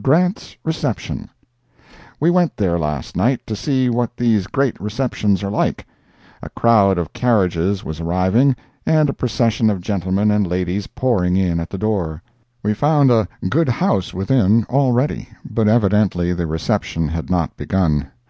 Grant's Reception. We went there, last night, to see what these great receptions are like. A crowd of carriages was arriving, and a procession of gentlemen and ladies pouring in at the door. We found a "good house" within, already, but evidently the reception had not begun.